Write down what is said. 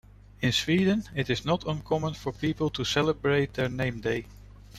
In Sweden, it is not uncommon for people to celebrate their name day.